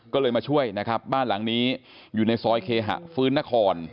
ก็เลยมาช่วยนะครับบ้านหลังนี้อยู่ในซอยเคหะฟื้นนคร